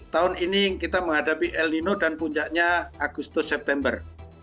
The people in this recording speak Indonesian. tahun ini kita menghadapi el nino dan puncaknya agustus september